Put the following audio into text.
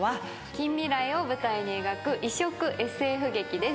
近未来を舞台に描く異色ＳＦ劇です。